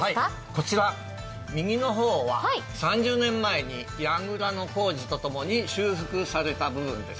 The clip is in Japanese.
こちら、右の方は３０年前にやぐらの工事とともに修復された部分です。